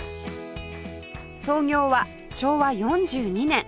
創業は昭和４２年